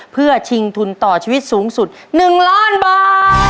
เพื่อชิงทุนต่อชีวิตสูงสุด๑ล้านบาท